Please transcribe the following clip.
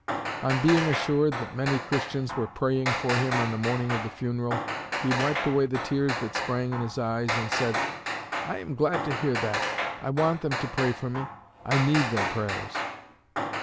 On being assured that many Christians were praying for him on the morning of the funeral, he wiped away the tears that sprang in his eyes, and said, 'I am glad to hear that. I want them to pray for me. I need their prayers.'